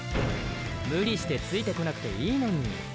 無理してついてこなくていいのに。